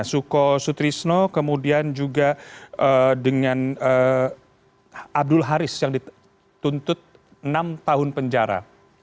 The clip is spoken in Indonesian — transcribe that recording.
suko sutrisno kemudian juga dengan abdul haris yang dituntut enam tahun penjara